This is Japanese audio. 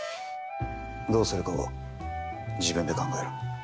どうするかは自分で考えろ。